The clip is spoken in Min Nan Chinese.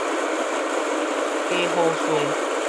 假好衰